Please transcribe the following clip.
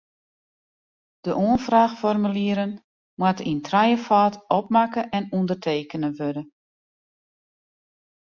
De oanfraachformulieren moatte yn trijefâld opmakke en ûndertekene wurde.